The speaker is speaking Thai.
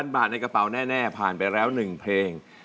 ๐บาทในกระเป๋าแน่ผ่านไปแล้ว๑เพลง